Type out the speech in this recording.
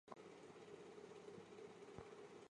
但摄政和首相一直施行专制统治。